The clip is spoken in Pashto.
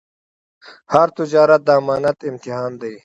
هر تجارت د امانت امتحان دی.